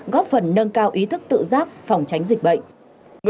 góp phần nâng cao ý thức tự giác phòng tránh dịch bệnh